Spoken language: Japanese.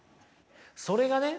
それがね